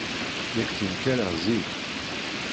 Nekk ttenkareɣ zik.